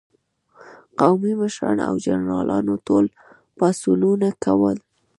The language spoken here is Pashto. قومي مشرانو او جنرالانو ټول پاڅونونه کول.